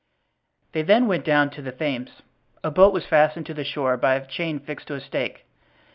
They then went down to the Thames. A boat was fastened to the shore by a chain fixed to a stake.